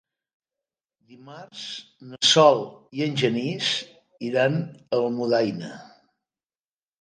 Dimarts na Sol i en Genís iran a Almudaina.